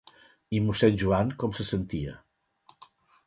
I mossèn Joan com se sentia?